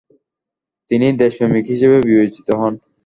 তিনি দেশপ্রেমিক হিসেবে বিবেচিত হন।